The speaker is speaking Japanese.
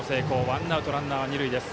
ワンアウト、ランナー、二塁です。